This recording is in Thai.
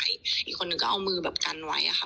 อีกคนนึงก็เอามือแบบกันไว้ค่ะ